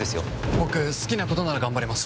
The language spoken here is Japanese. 僕、好きなことなら頑張れます。